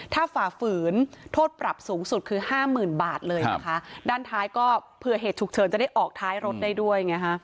ถ้าฝ่าฝืนโทษปรับสูงสุดคือห้าหมื่นบาทเลยนะคะด้านท้ายก็เผื่อเหตุฉุกเฉินจะได้ออกท้ายรถได้ด้วยไงฮะ